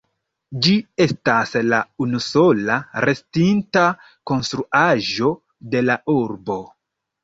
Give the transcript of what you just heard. Ĝi estas la unusola restinta konstruaĵo de la urbo.